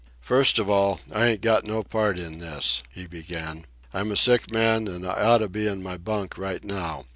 "First of all, I ain't got no part in this," he began. "I'm a sick man, an' I oughta be in my bunk right now.